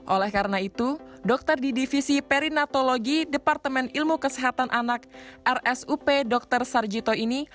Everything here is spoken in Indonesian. oleh karena itu dokter di divisi perinatologi departemen ilmu kesehatan anak rsup dr sarjito ini